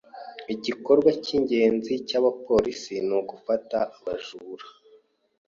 Igikorwa cyingenzi cyabapolisi nugufata abajura.